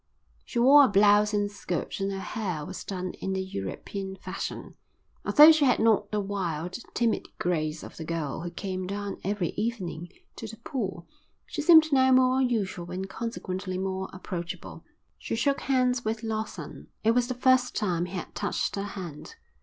She wore a blouse and skirt and her hair was done in the European fashion. Although she had not the wild, timid grace of the girl who came down every evening to the pool, she seemed now more usual and consequently more approachable. She shook hands with Lawson. It was the first time he had touched her hand.